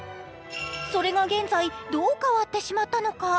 それが現在、どう変わってしまったのか？